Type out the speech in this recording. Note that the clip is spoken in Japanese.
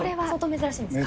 珍しいです。